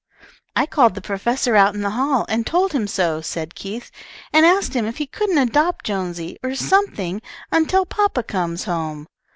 "I called the professor out in the hall, and told him so," said Keith, "and asked him if he couldn't adopt Jonesy, or something, until papa comes home.